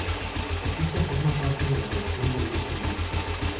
La pista forma parte de la versión deluxe del disco.